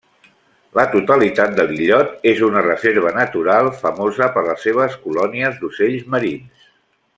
La totalitat de l'illot és una reserva natural, famosa per les seves colònies d'ocells marins.